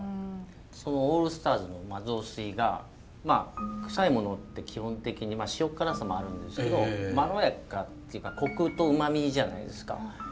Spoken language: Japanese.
そのオールスターズの雑炊がクサいものって基本的に塩辛さもあるんですけどまろやかっていうかコクとうまみじゃないですか。